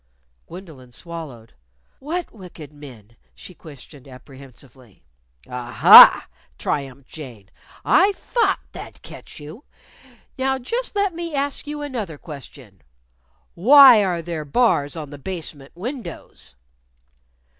_" Gwendolyn swallowed. "What wicked men?" she questioned apprehensively. "Ah ha!" triumphed Jane. "I thought that'd catch you! Now just let me ask you another question: _Why are there bars on the basement windows?